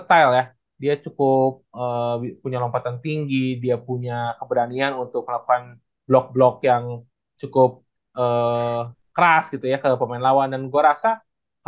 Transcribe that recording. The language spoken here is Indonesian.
salah satu kandidat karena dia ihh